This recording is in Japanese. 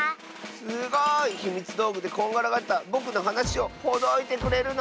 すごい！ひみつどうぐでこんがらがったぼくのはなしをほどいてくれるの？